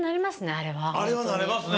あれはなれますね！